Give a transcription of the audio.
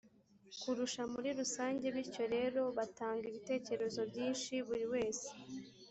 kurusha muri rusange bityo rero batanga ibitekerezo byinshi buri wese